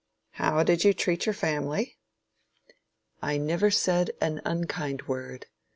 How did you treat your family? I never said an unkind word.